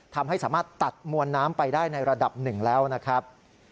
ทำให้สามารถตัดมวลน้ำไปได้ในระดับหนึ่งแล้วนะครับ